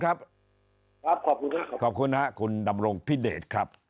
ขอบคุณครับขอบคุณครับคุณดำรงพิเดชครับ